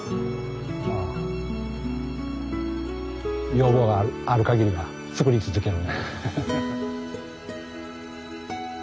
要望があるかぎりは作り続ける。